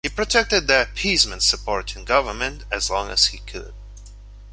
He protected the appeasement-supporting government as long as he could.